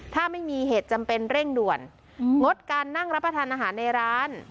ถ้าไม่มีเหตุจำเป็นเร่งด่วนงดการนั่งรับประทานอาหารในร้าน